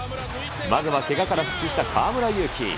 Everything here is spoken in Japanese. まずはけがから復帰した河村勇輝。